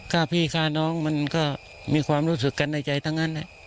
ฆ่าพี่ฆ่าน้องมันก็มีความรู้สึกกันในใจทั้งนั้น